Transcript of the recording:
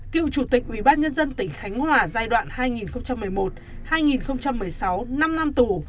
cựu chủ tịch ubnd tỉnh khánh hòa giai đoạn hai nghìn một mươi một hai nghìn một mươi sáu năm năm tù